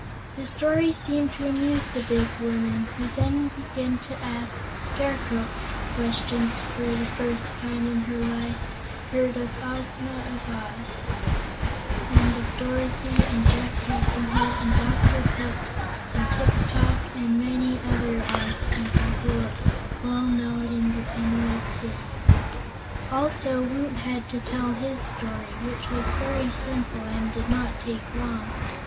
The story seemed to amuse the big woman, who then began to ask the Scarecrow questions and for the first time in her life heard of Ozma of Oz, and of Dorothy and Jack Pumpkinhead and Dr. Pipt and Tik tok and many other Oz people who are well known in the Emerald City. Also Woot had to tell his story, which was very simple and did not take long.